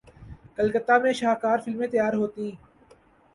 کلکتہ میں شاہکار فلمیں تیار ہوتیں۔